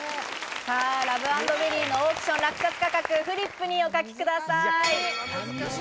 「ラブａｎｄベリー」のオークション落札価格、フリップにお書きください。